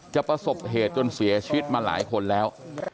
ประสบเหตุจนเสียชีวิตมาหลายคนแล้ว